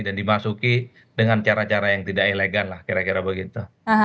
dan dimasuki dengan cara cara yang tidak elegan lah kira kira begitu